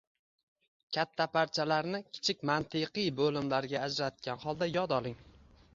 Katta parchalarni kichik mantiqiy bo‘limlarga ajratgan holda yod oling.